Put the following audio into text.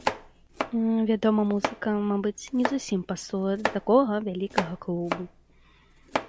Вядома, музыка, мабыць, не зусім пасуе да такога вялікага клубу.